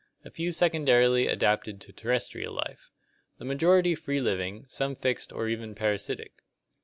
A few secondarily adapted to terrestrial life. The majority free living, some fixed or even parasitic.